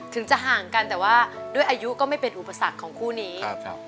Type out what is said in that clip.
ถึงจะห่างกันแต่ว่าด้วยอายุก็ไม่เป็นอุปสรรคของคู่นี้